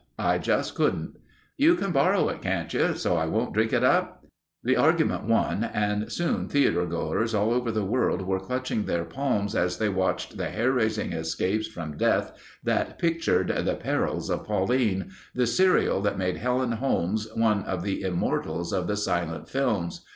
I just couldn't." "You can borrow it, can't you ... so I won't drink it up?" The argument won and soon theater goers all over the world were clutching their palms as they watched the hair raising escapes from death that pictured "The Perils of Pauline"—the serial that made Helen Holmes one of the immortals of the silent films.